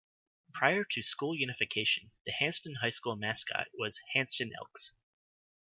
Prior to school unification, the Hanston High School mascot was Hanston Elks.